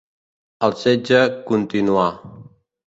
El setge continuà.